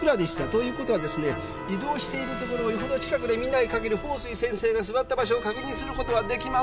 ということはですね移動しているところをよほど近くで見ないかぎり鳳水先生が座った場所を確認することはできません。